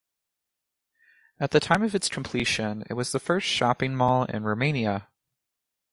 At the time of its completion it was the first shopping mall in Romania.